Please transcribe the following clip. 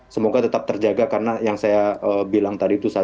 semoga tetap terjaga karena yang saya bilang tadi itu